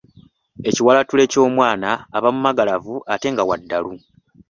Ekiwalattule ky'omwana aba mumagalavu ate nga wa ddalu.